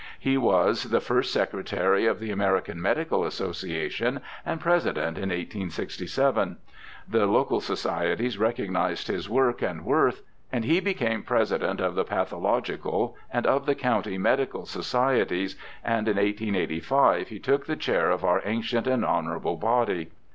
He was the first Secretary of the American Medical Association, and President in 1867. The local societies recognized his work and worth, and he became President of the Pathological and of the County Medical Societies, and in 1885 he took the Chair of our ancient and honourable body.